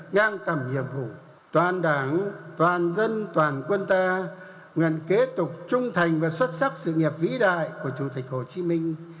ngang tầm nhiệm vụ toàn đảng toàn dân toàn quân ta nguyện kế tục trung thành và xuất sắc sự nghiệp vĩ đại của chủ tịch hồ chí minh